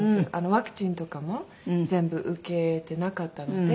ワクチンとかも全部受けてなかったので。